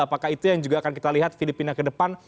apakah itu yang juga akan kita lihat filipina kedepan